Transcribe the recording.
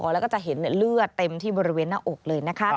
แล้วก็จะเห็นเลือดเต็มที่บริเวณหน้าอกเลยนะคะ